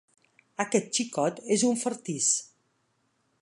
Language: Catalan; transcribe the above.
Aquest xicot és un fartís.